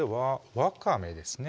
わかめですね